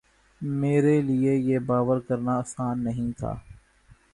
میرے لیے یہ باور کرنا آسان نہیں کہ